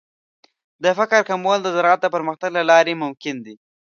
د فقر کمول د زراعت د پرمختګ له لارې ممکن دي.